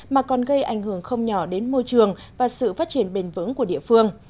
mà còn gây ảnh hưởng không nhỏ đến môi trường và sự phát triển bền vững của địa phương